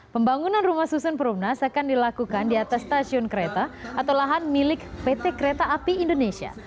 pembangunan rumah susun perumnas akan dilakukan di atas stasiun kereta atau lahan milik pt kereta api indonesia